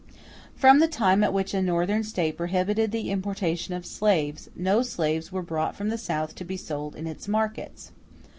From the time at which a Northern State prohibited the importation of slaves, no slaves were brought from the South to be sold in its markets.